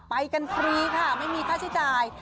ไปกันฟรีค่ะไม่มีค่าใช้จ่าย